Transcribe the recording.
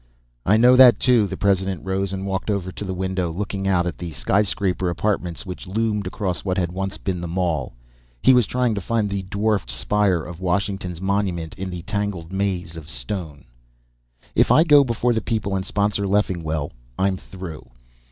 "I know that, too." The President rose and walked over to the window, looking out at the sky scraper apartments which loomed across what had once been the Mall. He was trying to find the dwarfed spire of Washington's Monument in the tangled maze of stone. "If I go before the people and sponsor Leffingwell, I'm through.